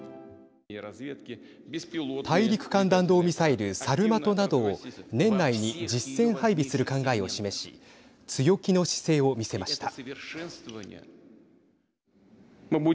大陸間弾道ミサイルサルマトなどを年内に実戦配備する考えを示し強気の姿勢を見せました。